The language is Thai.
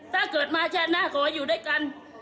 ถ้าเกิดมาชาติหน้าขออยู่ด้วยกัน